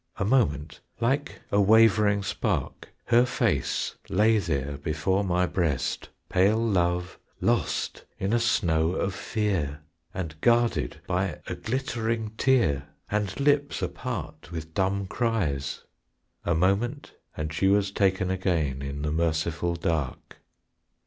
A moment, like a wavering spark, Her face lay there before my breast, Pale love lost in a snow of fear, And guarded by a glittering tear, And lips apart with dumb cries; A moment, and she was taken again in the merciful dark.